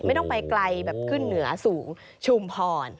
ไม่ต้องไปไกลแบบขึ้นเหนือสูงชุมพร